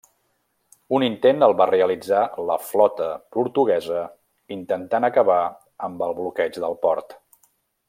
Un intent el va realitzar la flota portuguesa intentant acabar amb el bloqueig del port.